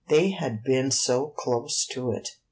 They had been so close to it!